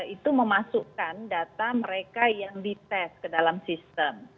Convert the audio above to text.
itu memasukkan data mereka yang dites ke dalam sistem